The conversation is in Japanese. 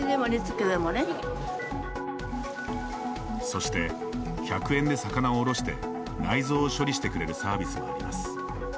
そして１００円で魚をおろして内臓を処理してくれるサービスもあります。